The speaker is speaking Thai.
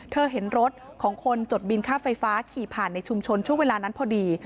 เห็นรถของคนจดบินค่าไฟฟ้าขี่ผ่านในชุมชนช่วงเวลานั้นพอดี